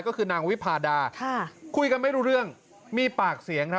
ก็คือนางวิพาดาคุยกันไม่รู้เรื่องมีปากเสียงครับ